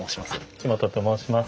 木元と申します。